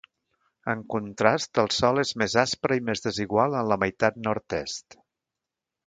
En contrast, el sòl és més aspre i més desigual en la meitat nord-est.